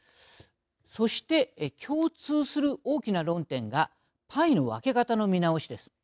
そして、共通する大きな論点がパイの分け方の見直しです。